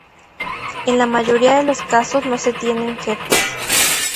En la mayoría de los casos no se tienen jefes.